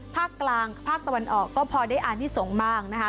ภาคกลางภาคตะวันออกก็พอได้อ่านที่สงฆ์บ้างนะคะ